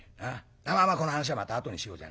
まあまあこの話はまたあとにしようじゃねえか。